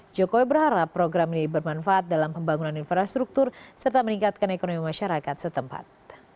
jokowi berharap program ini bermanfaat dalam pembangunan infrastruktur serta meningkatkan ekonomi masyarakat setempat